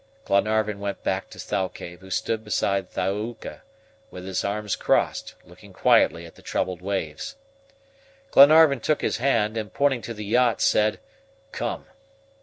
Glenarvan went back to Thalcave, who stood beside Thaouka, with his arms crossed, looking quietly at the troubled waves. Glenarvan took his hand, and pointing to the yacht, said: "Come!"